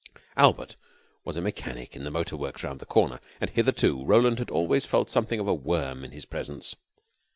Albert was a mechanic in the motor works round the corner, and hitherto Roland had always felt something of a worm in his presence.